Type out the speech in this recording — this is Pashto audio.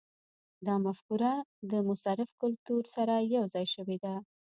دا مفکوره د مصرف کلتور سره یوځای شوې ده.